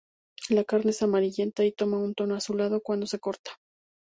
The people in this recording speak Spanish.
La carne es amarillenta, y toma un tono azulado cuando se corta.